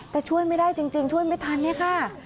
แต่ช่วยไม่ได้จริงช่วยไม่ทันเนี่ยค่ะ